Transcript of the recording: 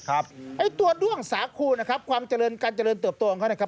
ไอ้ตัวด้วงสาคูนะครับความเจริญการเจริญเติบโตของเขานะครับ